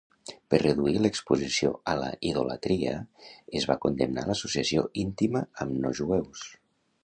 Per reduir l'exposició a la idolatria, es va condemnar l'associació íntima amb no jueus.